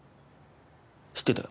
知ってたよ。